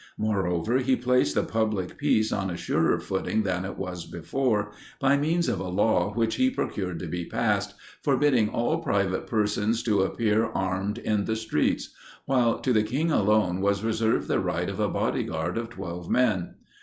Moreover, he placed the public peace on a surer footing than it was before, by means of a law which he procured to be passed, forbidding all private persons to appear armed in the streets; while to the king alone was reserved the right of a body guard of twelve men.